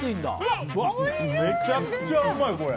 めちゃくちゃうまい、これ。